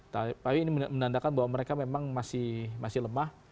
tapi ini menandakan bahwa mereka memang masih lemah